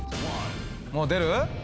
「もう出る？」